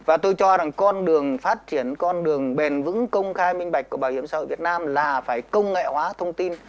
và tôi cho rằng con đường phát triển con đường bền vững công khai minh bạch của bảo hiểm xã hội việt nam là phải công nghệ hóa thông tin